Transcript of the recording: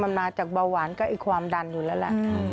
มันมาจากเบาหวานก็ไอ้ความดันอยู่แล้วล่ะ